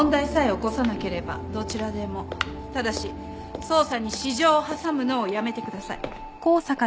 ただし捜査に私情を挟むのをやめてください。